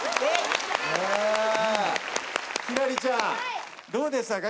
輝星ちゃんどうでしたか？